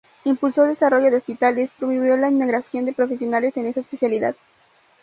Impulsó el desarrollo de hospitales, promovió la inmigración de profesionales en esa especialidad.